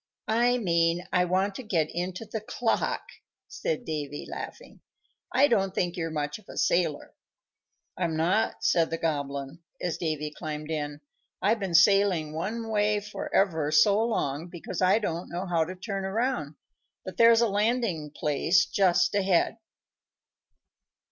"I mean I want to get into the clock," said Davy, laughing. "I don't think you're much of a sailor." "I'm not," said the Goblin, as Davy climbed in. "I've been sailing one way for ever so long, because I don't know how to turn around; but there's a landing place just ahead."